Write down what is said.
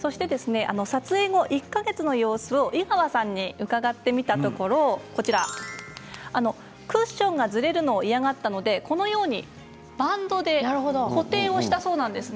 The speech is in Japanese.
撮影後１か月の様子を井川さんに伺ったところクッションがずれるのを嫌がったのでバンドで固定したそうです。